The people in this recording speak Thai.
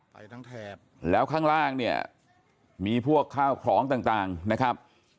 ไปทั้งแถบแล้วข้างล่างเนี่ยมีพวกข้าวของต่างนะครับ